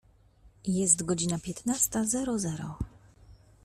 Jest godzina piętnasta zero zero.